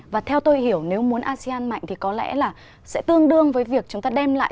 và theo tôi hiểu nếu muốn asean mạnh thì có lẽ là sẽ tương đương với việc chúng ta đem lại